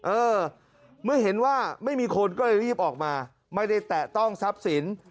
เออเมื่อเห็นว่าไม่มีคนก็เลยรีบออกมาไม่ได้แตะต้องทรัพย์สิน